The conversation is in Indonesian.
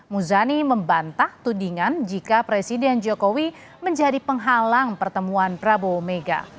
muzani membantah tudingan jika presiden jokowi menjadi penghalang pertemuan prabowo mega